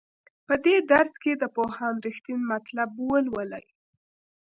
په دې درس کې د پوهاند رښتین مطلب ولولئ.